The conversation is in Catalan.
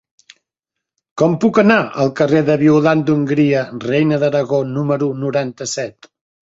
Com puc anar al carrer de Violant d'Hongria Reina d'Aragó número noranta-set?